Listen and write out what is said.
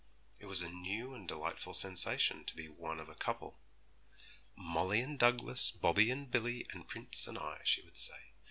It was a new and delightful sensation to be one of a couple. 'Molly and Douglas, Bobby and Billy, and Prince and I,' she would say.